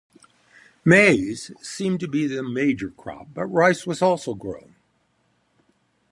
Maize seemed to be the major crop but rice was also grown.